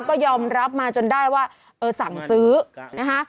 ก็ยอมรับมาจนได้ว่าเออสั่งซื้อนะคะ